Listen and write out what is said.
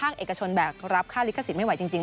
เอกชนแบกรับค่าลิขสิทธิไม่ไหวจริง